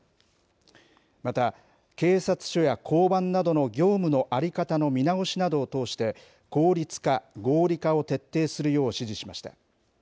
また、警察署や交番などの業務の在り方の見直しなどを通して、効率化・合理化を徹底するよう指示しました。